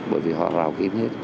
bởi vì họ rào kín hết